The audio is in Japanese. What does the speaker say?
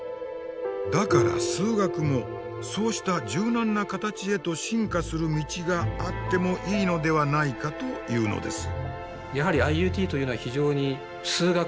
だから数学もそうした柔軟な形へと進化する道があってもいいのではないかというのです。